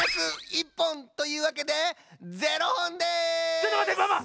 ちょっとまってママ！